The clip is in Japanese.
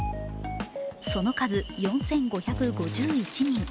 その数、４５５１人。